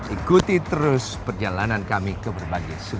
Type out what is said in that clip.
ikuti terus perjalanan kami di majalengka dan cianjong